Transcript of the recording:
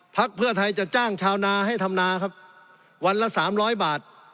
พักเพื่อไทยจะจ้างชาวนาให้ทำนาครับวันละ๓๐๐บาท